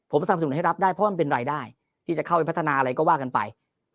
ผมสนับสนุนให้รับได้เพราะมันเป็นรายได้ที่จะเข้าไปพัฒนาอะไรก็ว่ากันไป